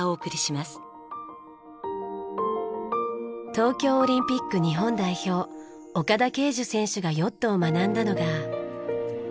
東京オリンピック日本代表岡田奎樹選手がヨットを学んだのが。